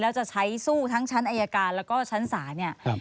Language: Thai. แล้วจะใช้สู้ทั้งชั้นอายการแล้วก็ชั้นศาลเนี่ย